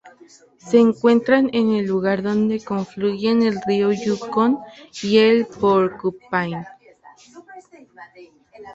Se encuentra en el lugar donde confluyen el río Yukón y el Porcupine.